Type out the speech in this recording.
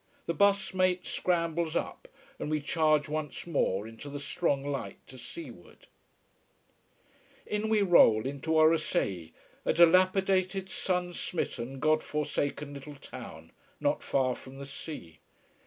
The bus mate scrambles up and we charge once more into the strong light to seaward. In we roll, into Orosei, a dilapidated, sun smitten, god forsaken little town not far from the sea.